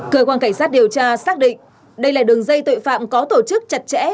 cơ quan cảnh sát điều tra xác định đây là đường dây tội phạm có tổ chức chặt chẽ